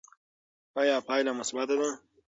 ایا پایله مثبته ده؟